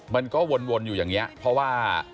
มันก็วนอยู่อย่างนี้เพราะว่า